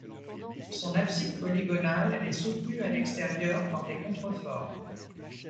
Son abside polygonale est soutenue à l'extérieur par des contreforts.